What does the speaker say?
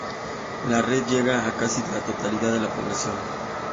La red llega a casi la totalidad de la población.